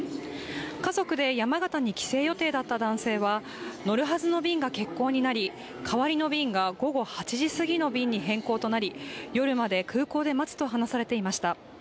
家族で山形に帰省予定だった男性は乗るはずの便が欠航になり代わりの便が午後８時すぎの便に変更となり、夜まで空港で待つと話されていました。